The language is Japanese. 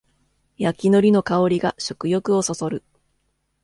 焼きのりの香りが食欲をそそる